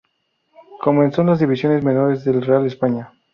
Comenzó en las divisiones menores del Real España.